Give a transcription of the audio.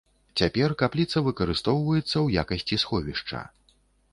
Цяпер капліца выкарыстоўваецца ў якасці сховішча.